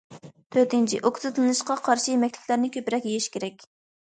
تۆتىنچى، ئوكسىدلىنىشقا قارشى يېمەكلىكلەرنى كۆپرەك يېيىش كېرەك.